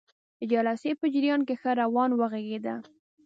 د جلسې په جریان کې ښه روان وغږیده.